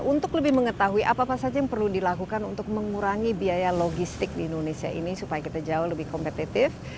untuk lebih mengetahui apa apa saja yang perlu dilakukan untuk mengurangi biaya logistik di indonesia ini supaya kita jauh lebih kompetitif